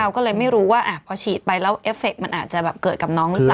ก็เลยไม่รู้ว่าพอฉีดไปแล้วเอฟเคมันอาจจะแบบเกิดกับน้องหรือเปล่า